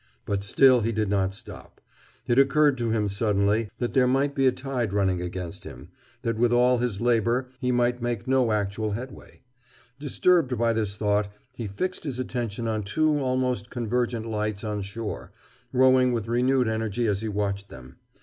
But still he did not stop. It occurred to him, suddenly, that there might be a tide running against him, that with all his labor he might be making no actual headway. Disturbed by this thought, he fixed his attention on two almost convergent lights on shore, rowing with renewed energy as he watched them.